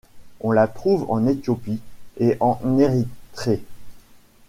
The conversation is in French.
On la trouve en Éthiopie et en Érythrée.